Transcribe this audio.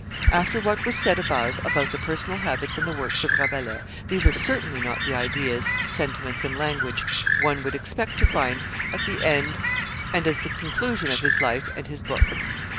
'" After what was said above about the personal habits and the works of Rabelais, these are certainly not the ideas, sentiments, and language one would expect to find at the end and as the conclusion of his life and his book.